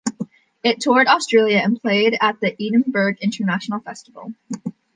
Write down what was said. It toured Australia and played at the Edinburgh International Festival.